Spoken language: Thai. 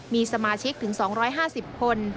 มีสมาชิกถึง๒๕๐คน